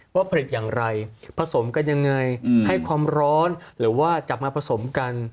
ผลิตอย่างไรผสมกันยังไงให้ความร้อนหรือว่าจับมาผสมกัน